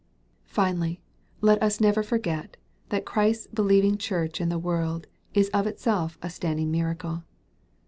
Finally, let us never forget, that Christ's believing Church in the world is of itself a standing miracle.